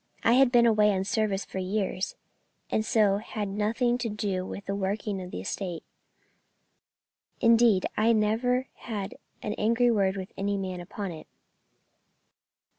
I had been away on service for years, and so had nothing to do with the working of the estate, indeed I never had an angry word with any man upon it."